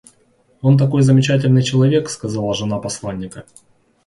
Он такой замечательный человек, —сказала жена посланника.